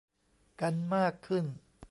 กันมากขึ้น